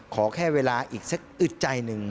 ขอแค่เวลาอีกสักอึดใจหนึ่ง